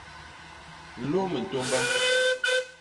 Nlôm ntômba.